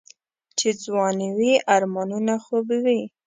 چې ځواني وي آرمانونه خو به وي.